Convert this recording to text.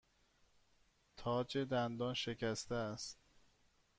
تاج دندان شکسته است.